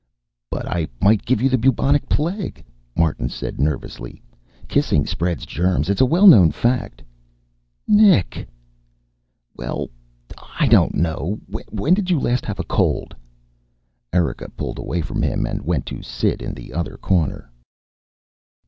"But I might give you bubonic plague," Martin said nervously. "Kissing spreads germs. It's a well known fact." "Nick!" "Well I don't know when did you last have a cold?" Erika pulled away from him and went to sit in the other corner.